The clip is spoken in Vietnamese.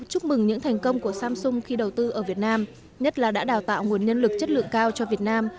chúc mừng những thành công của samsung khi đầu tư ở việt nam nhất là đã đào tạo nguồn nhân lực chất lượng cao cho việt nam